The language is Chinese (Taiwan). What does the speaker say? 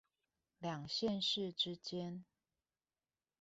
兩縣市之間